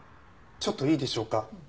ちょっといいでしょうか？